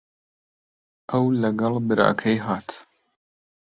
ئەو لەگەڵ براکەی هات.